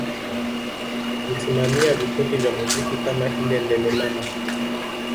Alisimamia vikundi vya muziki kama ile Lelemama